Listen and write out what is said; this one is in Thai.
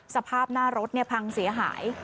สภาพหน้ารถพังเสียหาย